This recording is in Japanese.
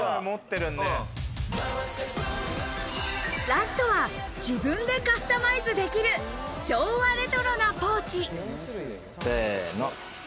ラストは自分でカスタマイズできる昭和レトロなポーチ。